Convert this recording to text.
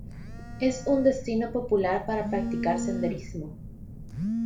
Es un destino popular para practicar senderismo.